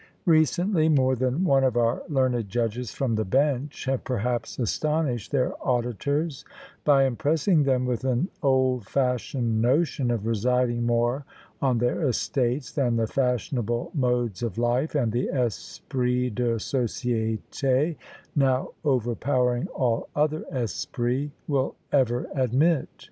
Recently more than one of our learned judges from the bench have perhaps astonished their auditors by impressing them with an old fashioned notion of residing more on their estates than the fashionable modes of life and the esprit de société, now overpowering all other esprit, will ever admit.